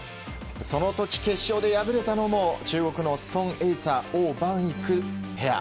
その時、決勝で敗れたのも中国のソン・エイサオウ・バンイクペア。